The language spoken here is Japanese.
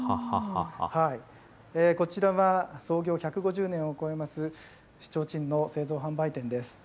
こちらは創業１５０年を超えます、ちょうちんの製造販売店です。